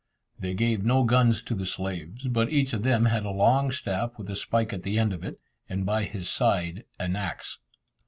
They gave no guns to the slaves, but each of them had a long staff with a spike at the end of it, and by his side an axe.